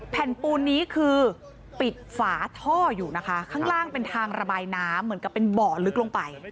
แผ่นปูนนี้คือปิดฝาท่ออยู่นะคะข้างล่างเป็นทางระบายน้ำเหมือนกับเป็นบ่อลึกลงไป